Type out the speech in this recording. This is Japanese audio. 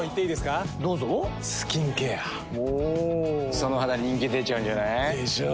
その肌人気出ちゃうんじゃない？でしょう。